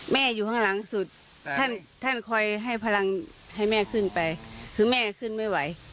อยู่ข้างหลังสุดท่านคอยให้พลังให้แม่ขึ้นไปคือแม่ขึ้นไม่ไหว